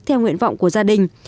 theo nguyện vọng của gia đình